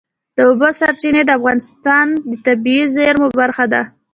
د اوبو سرچینې د افغانستان د طبیعي زیرمو برخه ده.